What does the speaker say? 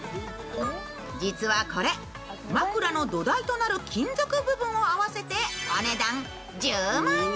実はこれ、枕の土台となる金属部分を合わせてお値段１０万円。